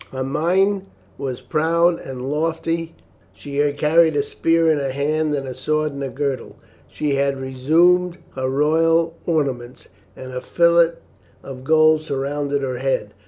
Her mien was proud and lofty. She carried a spear in her hand and a sword in her girdle. She had resumed her royal ornaments, and a fillet of gold surrounded her head.